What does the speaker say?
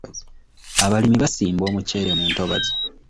Abalimi basimba omuceere mu ntobazi.